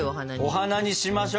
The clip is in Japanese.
お花にしましょう！